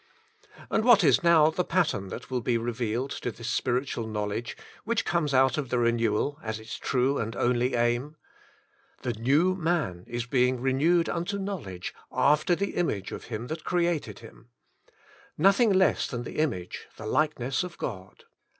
And what is now the pattern that will be re vealed to this spiritual knowledge which comes out of the renewal as its true and only aim ? The new man is being renewed unto knowledge, after the Image of Him That Created Him Nothing less than the image, the likeness of God.